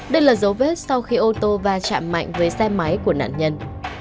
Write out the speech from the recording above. đây là dấu vết sau khi ô tô va chạm mạnh với xe máy của nạn nhân